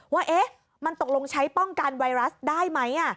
ว่ามันตกลงใช้ป้องกันไวรัสได้ไหม